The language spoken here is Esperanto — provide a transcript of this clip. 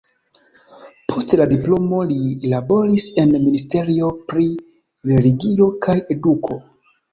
Post la diplomo li laboris en ministerio pri Religio kaj Eduko.